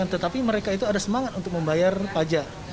tetapi mereka itu ada semangat untuk membayar pajak